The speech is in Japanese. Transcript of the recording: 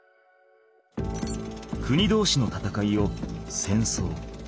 国同士の戦いを戦争